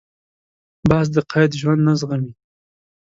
باز د قید ژوند نه زغمي